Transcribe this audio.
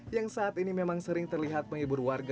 yang saat ini memang sering terlihat menghibur warga